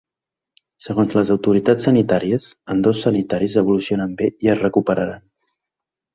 Segons les autoritats sanitàries, ambdós sanitaris evolucionen bé i es recuperaran.